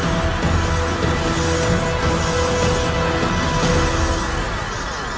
ource penghasil noomu banyak